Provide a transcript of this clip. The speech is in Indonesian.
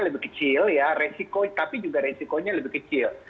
lebih kecil ya resiko tapi juga resikonya lebih kecil